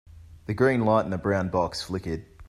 The green light in the brown box flickered.